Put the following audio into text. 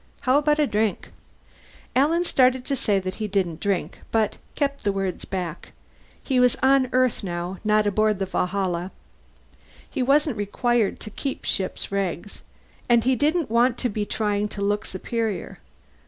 How about a drink?" Alan started to say that he didn't drink, but kept the words back. He was on Earth, now, not aboard the Valhalla; he wasn't required to keep ship's regs. And he didn't want to be trying to look superior.